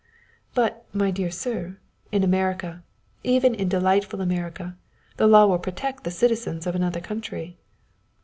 "But, my dear sir, in America, even in delightful America, the law will protect the citizens of another country."